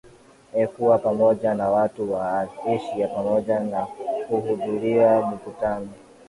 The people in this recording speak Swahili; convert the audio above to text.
ekuwa pamoja na watu wa asia pamoja na kuhudhuria mikutano